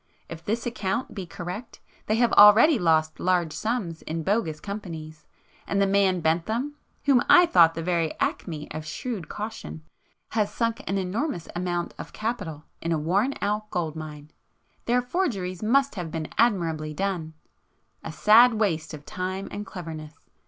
If this account be correct, they have already lost large sums in bogus companies,—and the man Bentham, whom I thought the very acme of shrewd caution has sunk an enormous amount of capital in a worn out gold mine. Their forgeries must have been admirably done!—a sad waste of time and cleverness.